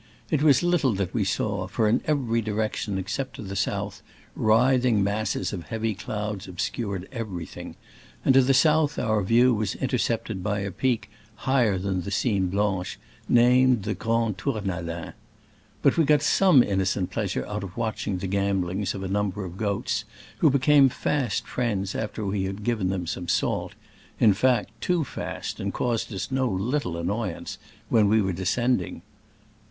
It was little that we saw, for in every direction except to the south writhing masses of heavy clouds obscured everything ; and to the south our view was intercepted by a peak higher than the Cimes Blanches, named the Grand Tournalin. But we got some innocent pleasure out of watching the gambolings of a number of goats, who became fast friends after we had given them some salt — in fact, too fast, and caused us no little annoyance when we were descending.